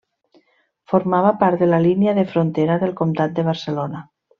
Formava part de la línia de frontera del Comtat de Barcelona.